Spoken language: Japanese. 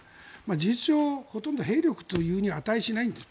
事実上、ほとんど兵力というに値しないんです。